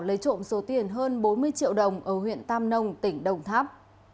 lấy trộm số tiền hơn bốn mươi triệu đồng ở huyện tam nông tỉnh đồng tháp